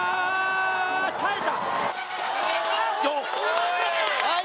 耐えた。